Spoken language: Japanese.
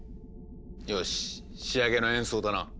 よし仕上げの演奏だな。